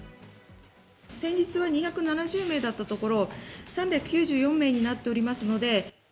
先日は２７０名だったところ、３９４名になっておりますので。